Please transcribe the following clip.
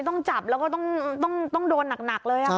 ต้องจับแล้วก็ต้องโดนหนักเลย